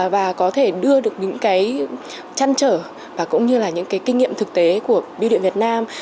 và có thể đưa được những cái chăn trở và cũng như là những cái kinh nghiệm thực tế của biêu điện việt nam